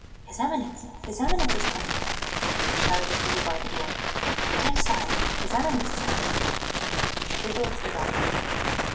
"His Eminence! His Eminence is coming out!" shouted the people by the door. "Stand aside! His Eminence is coming!" They both stood up.